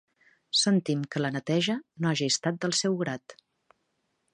Sentim que la neteja no hagi estat del seu grat.